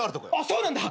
そうなんだ。